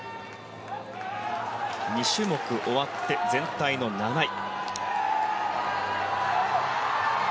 ２種目終わって全体の７位。